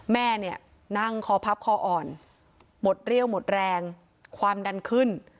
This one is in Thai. แม่เนี่ยนั่งคอพับคออ่อนหมดเรี่ยวหมดแรงความดันขึ้น